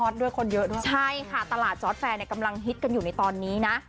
ด้วยคนเยอะด้วยใช่ค่ะตลาดจอร์ดแอร์เนี่ยกำลังฮิตกันอยู่ในตอนนี้นะ